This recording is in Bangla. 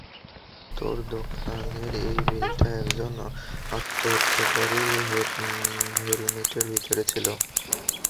তোর দোকানের এই বিলটা একজন আত্মহত্যাকারীর হেলমেটের ভিতরে ছিল।